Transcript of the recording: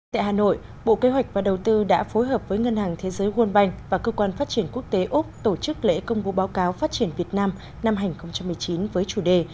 tại hà nội bộ kế hoạch và đầu tư đã phối hợp với ngân hàng thế giới world bank và cơ quan phát triển quốc tế úc tổ chức lễ công bố báo cáo phát triển việt nam năm hai nghìn một mươi chín với chủ đề